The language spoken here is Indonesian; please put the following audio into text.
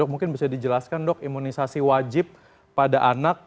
mungkin bisa dijelaskan dok imunisasi wajib pada anak